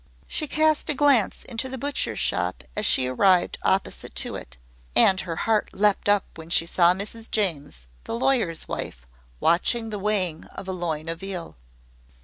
She cast a glance into the butcher's shop as she arrived opposite to it; and her heart leaped up when she saw Mrs James, the lawyer's wife, watching the weighing of a loin of veal.